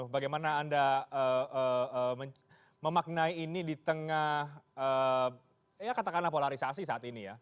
bagaimana anda memaknai ini di tengah ya katakanlah polarisasi saat ini ya